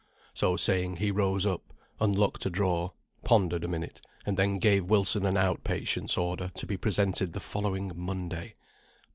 So saying, he rose up, unlocked a drawer, pondered a minute, and then gave Wilson an out patient's order to be presented the following Monday.